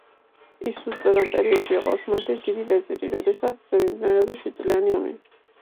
ის ზუსტად იმ პერიოდში იყო ოსმალეთის დიდი ვეზირი, როდესაც მიმდინარეობდა შვიდწლიანი ომი.